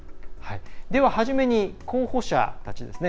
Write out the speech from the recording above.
では、初めに候補者たちですね。